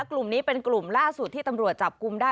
กลุ่มนี้เป็นกลุ่มล่าสุดที่ตำรวจจับกลุ่มได้